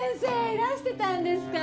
いらしてたんですか。